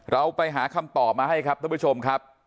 เราไปหาคำตอบมาให้ครับท่านผู้ชมครับ